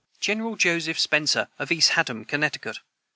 [Footnote 190: General Joseph Spencer, of East Haddam, Connecticut.